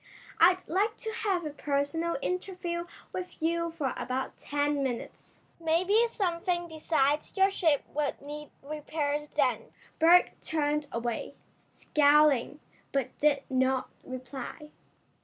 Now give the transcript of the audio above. "I'd like to have a personal interview with you for about ten minutes. Maybe something besides your ship would need repairs then." Berg turned away, scowling, but did not reply.